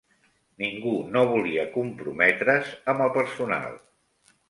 Ningú no volia comprometre's amb el personal.